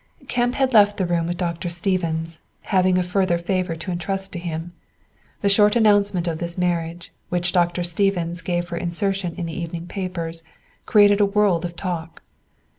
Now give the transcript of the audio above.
Kemp had left the room with Dr. Stephens, having a further favor to intrust to him. The short announcement of this marriage, which Dr. Stephens gave for insertion in the evening papers, created a world of talk.